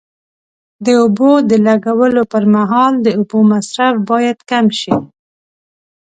د اوبو د لګولو پر مهال د اوبو مصرف باید کم شي.